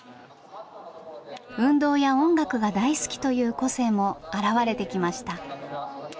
運動や音楽が大好きという個性も表れてきました。